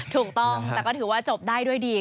ถูกต้องแต่ก็ถือว่าจบได้ด้วยดี